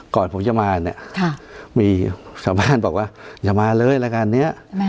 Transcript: ก่อนผมจะมาเนี่ยมีชาวบ้านบอกว่าอย่ามาเลยรายการนี้